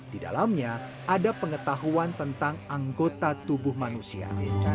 di dalamnya ada pengetahuan tentang anggota tubuh manusia